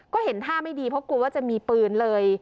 ก็เห็นท่าไม่ดีเพราะกลัวว่าจะมีปืนเลย